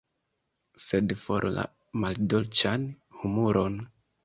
Sed for la maldolĉan humuron!